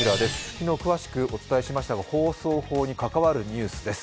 昨日詳しくお伝えしましたが放送法に関わるニュースです。